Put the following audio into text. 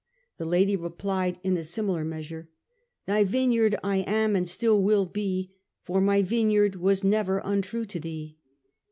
The lady replied in a similar measure :" Thy Vineyard I am and still will be, For my Vineyard was never untrue to thee."